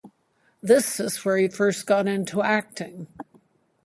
This is where he first got into acting.